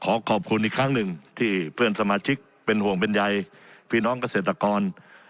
ขอขอบคุณอีกครั้งหนึ่งที่เพื่อนสมาชิกเป็นห่วงเป็นใยพี่น้องเกษตรกร